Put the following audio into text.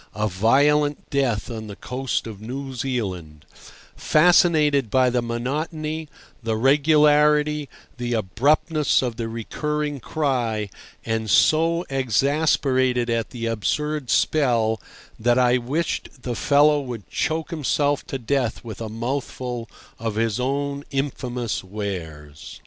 a violent death on the coast of New Zealand), fascinated by the monotony, the regularity, the abruptness of the recurring cry, and so exasperated at the absurd spell, that I wished the fellow would choke himself to death with a mouthful of his own infamous wares.